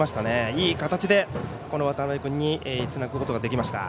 いい形でこの渡邊君につなぐことができました。